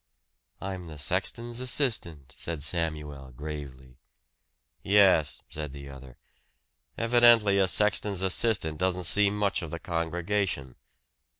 "I'm the sexton's assistant," said Samuel gravely. "Yes," said the other. "Evidently a sexton's assistant doesn't see much of the congregation."